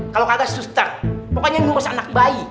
kalau kagak suster pokoknya nyurus anak bayi